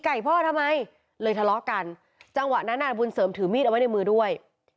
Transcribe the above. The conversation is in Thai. พ่อทำไมเลยทะเลาะกันจังหวะนั้นอ่ะบุญเสริมถือมีดเอาไว้ในมือด้วย